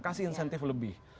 kasih insentif lebih